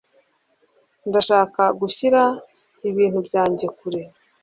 Ndashaka gushyira ibintu byanjye kure.